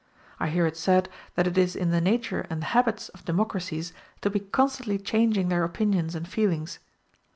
I hear it said that it is in the nature and the habits of democracies to be constantly changing their opinions and feelings.